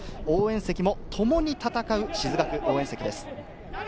応援席も共に戦う静学応援席です。